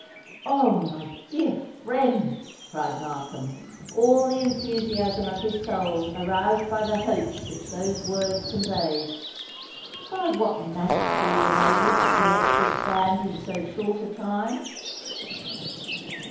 "Oh! my dear friend," cried Markham, all the enthusiasm of his soul aroused by the hopes which those words conveyed: "by what magic were you enabled to collect this band in so short a time?"